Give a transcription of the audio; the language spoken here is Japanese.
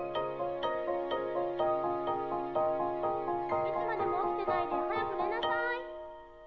・いつまでも起きてないで早く寝なさい。